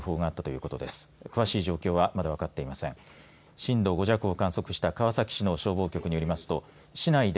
震度５弱を観測した川崎市の消防局によりますと市内で